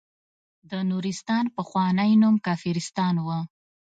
د نورستان پخوانی نوم کافرستان وه.